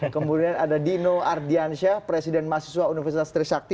kemudian ada dino ardiansyah presiden mahasiswa universitas trisakti